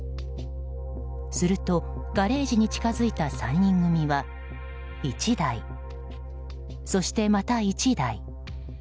するとガレージに近づいた３人組は１台、そしてまた１台。